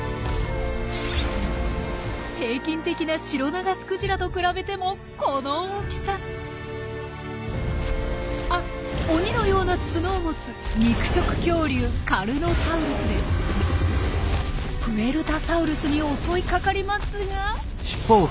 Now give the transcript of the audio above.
平均的なシロナガスクジラと比べてもこの大きさ！あ鬼のような角を持つ肉食恐竜プエルタサウルスに襲いかかりますが。